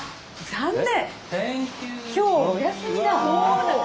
残念！